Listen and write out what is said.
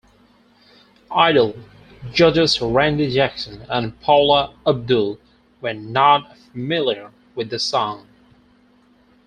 "Idol" judges Randy Jackson and Paula Abdul were not familiar with the song.